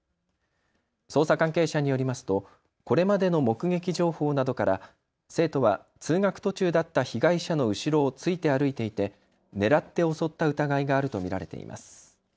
捜査関係者によりますとこれまでの目撃情報などから生徒は通学途中だった被害者の後ろをついて歩いていて狙って襲った疑いがあると見られています。